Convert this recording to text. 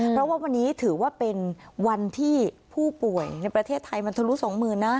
เพราะว่าวันนี้ถือว่าเป็นวันที่ผู้ป่วยในประเทศไทยมันทะลุสองหมื่นนะ